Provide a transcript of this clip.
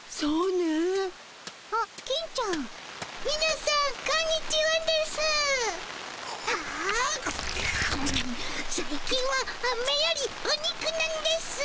さい近はアメよりお肉なんですぅ。